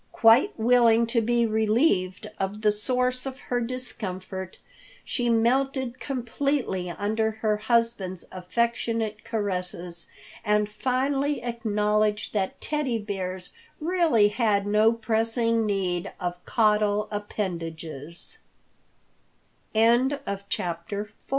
Quite willing to be relieved of the source of her discomfort, she melted completely under her husband's affectionate caresses, and finally acknowledged that Teddy Bears really had no pressing need of caudal append